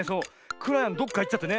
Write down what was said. くらやんどっかいっちゃってね